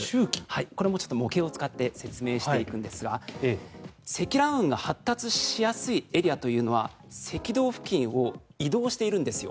これも模型を使って説明していくんですが積乱雲が発達しやすいエリアというのは赤道付近を移動しているんですよ。